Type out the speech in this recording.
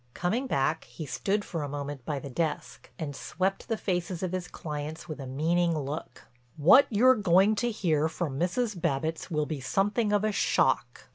Coming back, he stood for a moment by the desk, and swept the faces of his clients with a meaning look: "What you're going to hear from Mrs. Babbitts will be something of a shock.